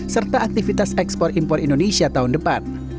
serta aktivitas ekspor impor indonesia tahun depan